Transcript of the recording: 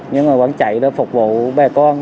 nhưng mà vẫn chạy để phục vụ bè con